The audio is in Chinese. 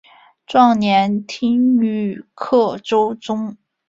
壮年听雨客舟中。